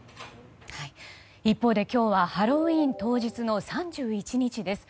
一方で今日はハロウィーン当日の３１日です。